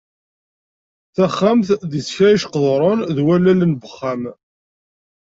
Taxxamt deg-s kra n yijeqḍuren d wallalen n uxxam.